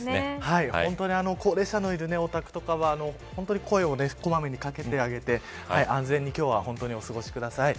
本当に高齢者のいるお宅とかは本当に声を小まめに掛けてあげて安全に今日は本当にお過ごしください。